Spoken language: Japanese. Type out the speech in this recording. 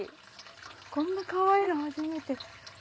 こんなかわいいの初めて。